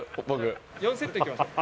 ４セットいきましょう。